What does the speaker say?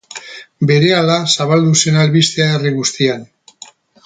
Berehala zabaldu zen albistea herri guztian.